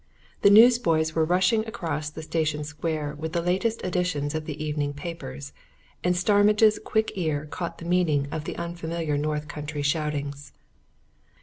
The newsboys were rushing across the station square with the latest editions of the evening papers, and Starmidge's quick ear caught the meaning of their unfamiliar North country shoutings.